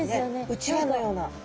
うちわのような。